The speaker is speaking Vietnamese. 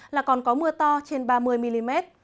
là còn có mưa to trên ba mươi mm